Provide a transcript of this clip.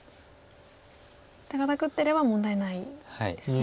手堅く打ってれば問題ないんですね。